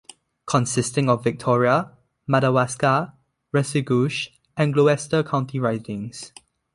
Consisting of Victoria, Madawaska, Restigouche and Gloucester county ridings.